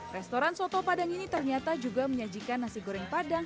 restoran soto padang ini ternyata juga menyajikan nasi goreng padang